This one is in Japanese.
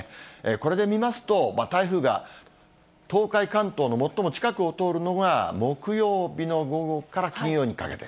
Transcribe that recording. これで見ますと、台風が東海、関東の最も近くを通るのが木曜日の午後から金曜にかけて。